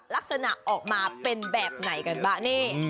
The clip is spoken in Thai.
ลักษณะออกมาเป็นแบบไหนกันบ้างนี่